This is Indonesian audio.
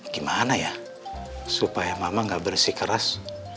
gimana ya supaya mama nggak bersih keras